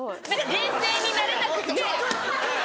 冷静になれなくて。